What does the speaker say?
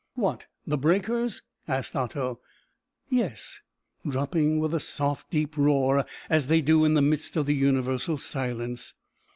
"What, the breakers?" asked Otto. "Yes, dropping with a soft deep roar as they do in the midst of the universal silence."